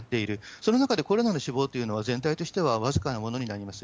その中でコロナの死亡というのは全体としては僅かなものになります。